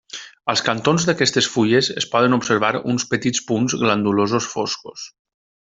Als cantons d'aquestes fulles es poden observar uns petits punts glandulosos foscos.